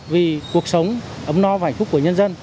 vì cuộc sống ấm no và hạnh phúc của nhân dân